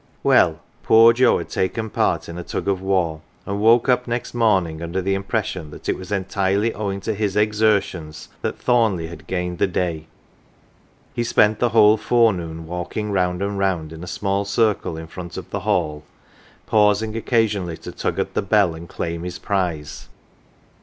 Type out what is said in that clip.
Well, poor Joe had taken part in a tug of war, and woke up next morning under the impression that it was entirely owing to his exertions that Thornleigh had gained the day. He spent the whole forenoon walking round and round in a small circle in front of " The Hall," pausing occasionally to tug at the bell and claim his prize.